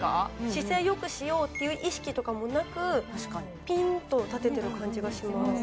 姿勢よくしようっていう意識とかもなくピンと立ててる感じがします